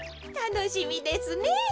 たのしみですね。